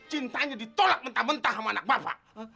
cintanya ditolak mentah mentah sama anak bapak